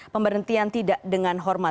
pemberhentian tidak dengan hormat